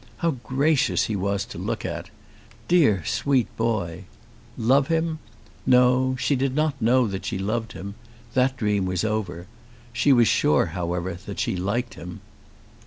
How gracious he was to look at! Dear sweet boy! Love him? No; she did not know that she loved him. That dream was over. She was sure however that she liked him.